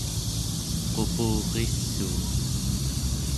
qupurrissuun